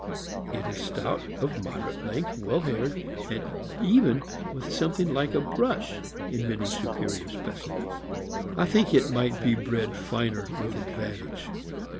It is stout, of moderate length, well haired, and even with 200 THE AMERICAN BOOK OF THE DOG. something like a brush, in many superior specimens. I think it might be bred finer with advantage.